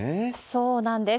そうなんです。